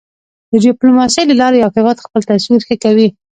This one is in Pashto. د ډیپلوماسی له لارې یو هېواد خپل تصویر ښه کوی.